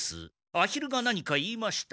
アヒルがなにかいいました。